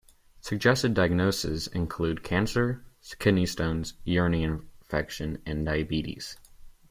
Suggested diagnoses include cancer, kidney stones, urinary infection, and diabetes.